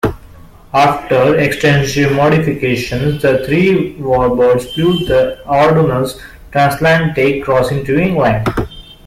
After extensive modifications, the three warbirds flew the arduous transatlantic crossing to England.